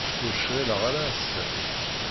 Ur cɣileɣ ara ass-a.